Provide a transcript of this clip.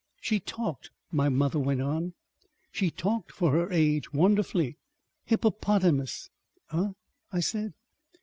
"She talked," my mother went on. "She talked for her age wonderfully. ... Hippopotamus." "Eh?" I said.